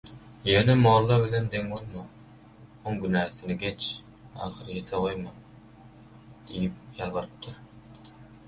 Ýönе mоlla bilеn dеň bоlma, оň günäsini gеç, ahyrеtе gоýma – diýip ýalbarypdyr.